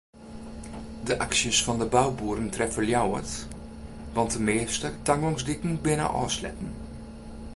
De aksjes fan de bouboeren treffe Ljouwert want de measte tagongsdiken binne ôfsletten.